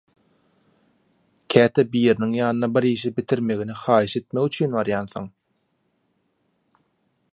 Käte biriniň ýanyna bir işi bitirmegini haýyş etmek üçin barýansyň.